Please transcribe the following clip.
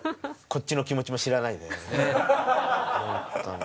こっちの気持ちも知らないでホントに。